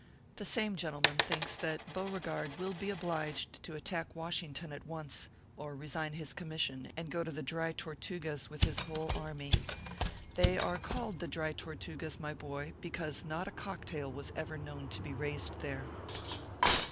The same gentleman thinks that Beauregard will be obliged to attack Washington at once, or resign his commission and go to the Dry Tortugas with his whole army. They are called the Dry Tortugas, my boy, because not a cocktail was ever known to be raised there.